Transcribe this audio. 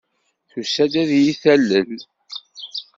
Tusa-d ad iyi-talel.